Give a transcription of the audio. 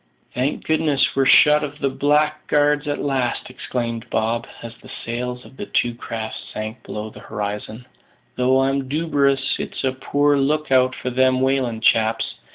"Thank goodness, we're shut of the blackguards at last!" exclaimed Bob, as the sails of the two craft sank below the horizon; "though I'm duberous it's a poor look out for them whalin' chaps.